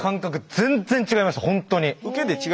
全然違いました。